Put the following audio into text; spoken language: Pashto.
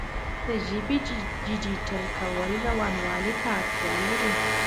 د ژبې ډیجیټل کول روانوالي ته اړتیا لري.